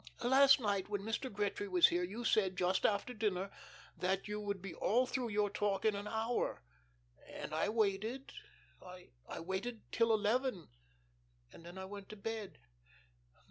Last night, when Mr. Gretry was here, you said, just after dinner, that you would be all through your talk in an hour. And I waited.... I waited till eleven, and then I went to bed.